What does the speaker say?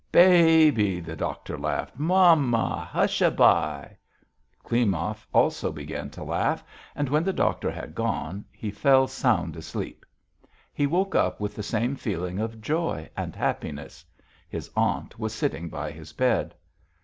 "Ba by," the doctor laughed. "Mamma! Hush aby!" Klimov also began to laugh, and when the doctor had gone, he fell sound asleep. He woke up with the same feeling of joy and happiness. His aunt was sitting by his bed.